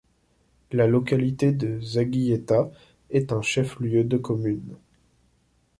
La localité de Zaguiéta est un chef-lieu de commune.